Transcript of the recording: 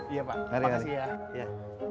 iya pak terima kasih ya